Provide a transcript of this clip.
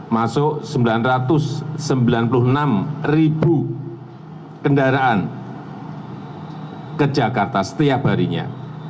masuk sembilan ratus sembilan puluh enam ribu kendaraan ke jakarta setiap harinya